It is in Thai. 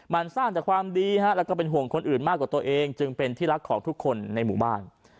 มันสร้างจากความดีแล้วก็เป็นห่วงคนอื่นมากกว่าตัวเองจึงเป็นที่รักของทุกคนในหมู่บ้าน